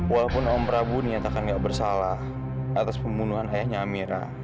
walaupun om prabu niat akan gak bersalah atas pembunuhan ayahnya amira